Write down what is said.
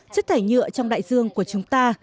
chất thải nhựa trong đại dương của chúng ta